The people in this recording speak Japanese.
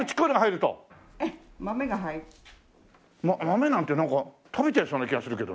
豆なんてなんか食べちゃいそうな気がするけどな。